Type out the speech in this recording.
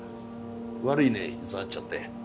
悪いね居座っちゃって。